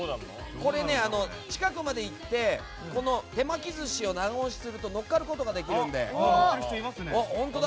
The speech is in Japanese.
近くまで行って手巻き寿司を長押しすると乗っかることができるので。